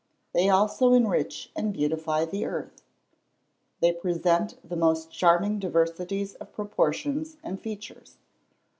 They also enrich and beautify the earth. They present the most charming diversities of proportions and features.